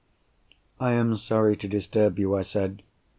"I am sorry to disturb you," I said.